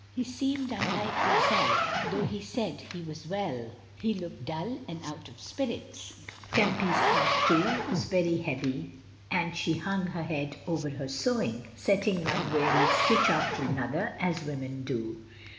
He seemed unlike himself; though he said he was well, he looked dull and out of spirits. Tempy's heart, too, was very heavy, and she hung her head over her sewing, setting one weary stitch after another as women do.